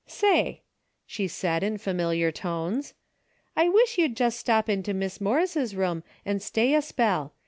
" Say," she said in familiar tones, " I wish you'd jes' step into Mis' Morris' room and stay a spell.